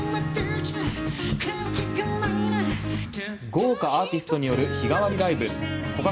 豪華アーティストによる日替わりライブコカ